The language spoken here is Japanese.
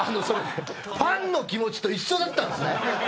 それファンの気持ちと一緒だったんですね